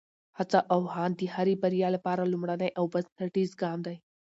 هڅه او هاند د هرې بریا لپاره لومړنی او بنسټیز ګام دی.